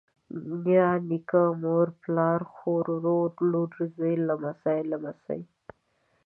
نيا، نيکه، مور، پلار، خور، ورور، لور، زوى، لمسۍ، لمسى